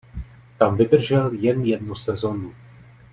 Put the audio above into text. Tam vydržel jen jednu sezonu.